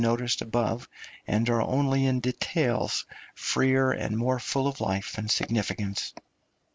} (295) noticed above, and are only in details freer and more full of life and significance.